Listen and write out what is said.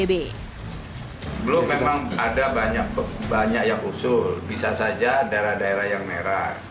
belum memang ada banyak yang usul bisa saja daerah daerah yang merah